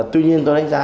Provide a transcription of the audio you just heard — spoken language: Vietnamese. tuy nhiên tôi đánh giá